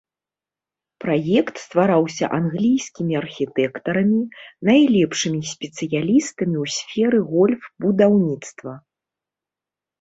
Праект ствараўся англійскімі архітэктарамі, найлепшымі спецыялістамі ў сферы гольф-будаўніцтва.